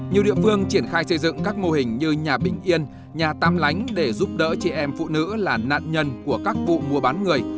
nhiều địa phương triển khai xây dựng các mô hình như nhà bình yên nhà tam lánh để giúp đỡ chị em phụ nữ là nạn nhân của các vụ mua bán người